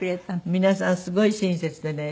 皆さんすごい親切でね